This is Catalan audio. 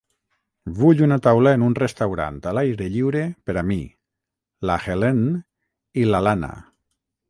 Vull una taula en un restaurant a l'aire lliure per a mi, la Helene i l'Alana.